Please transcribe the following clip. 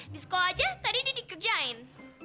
di sekolah aja tadi ini dikerjain